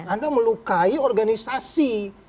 anda melukai organisasi